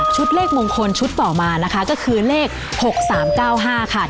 เลขมงคลชุดต่อมานะคะก็คือเลข๖๓๙๕ค่ะ